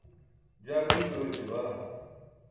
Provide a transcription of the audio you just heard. jaa gunc duro ećabaa